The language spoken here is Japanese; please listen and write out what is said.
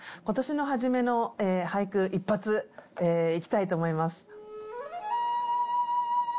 今年の初めの俳句一発いきたいと思います。